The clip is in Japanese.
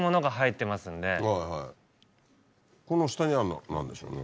この下にあんのは何でしょうね